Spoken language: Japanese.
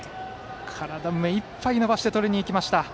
体を目いっぱい伸ばしてとりにいきました。